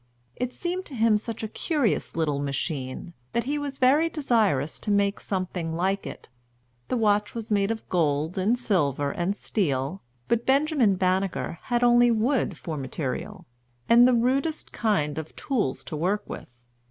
It seemed to him such a curious little machine, that he was very desirous to make something like it. The watch was made of gold and silver and steel; but Benjamin Banneker had only wood for material, and the rudest kind of tools to work with.